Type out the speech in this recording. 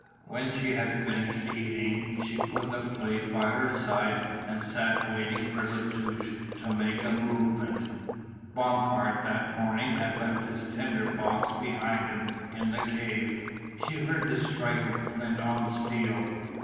When she had finished eating she put the plate by her side and sat waiting for La Touche to make a movement. Bompard that morning had left his tinder box behind him in the cave, she heard the strike of flint on steel.